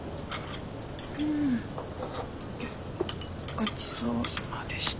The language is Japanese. ごちそうさまでした。